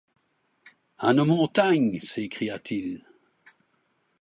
À nos montagnes! s’écria-t-il.